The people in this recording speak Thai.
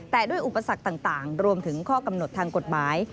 แต่ด้วยอุปสรรคต่างรวมถึงข้อกำหนดทางกฎหมาย